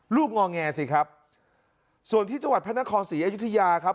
งอแงสิครับส่วนที่จังหวัดพระนครศรีอยุธยาครับ